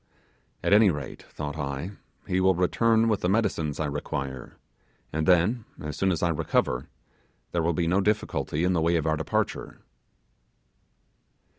At any rate, thought I, he will return with the medicines I require, and then, as soon as I recover, there will be no difficulty in the way of our departure.